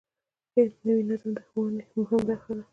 نوی نظم د ښوونې مهمه برخه ده